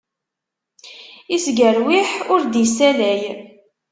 Isgerwiḥ ur d-issalay.